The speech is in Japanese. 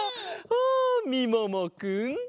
あみももくん。